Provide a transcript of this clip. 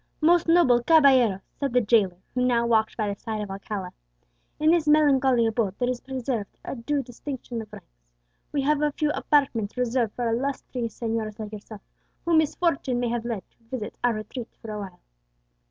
"Most noble caballero," said the jailer, who now walked by the side of Alcala, "in this melancholy abode there is preserved a due distinction of ranks. We have a few apartments reserved for illustrious señors like yourself, whom misfortune may have led to visit our retreat for awhile."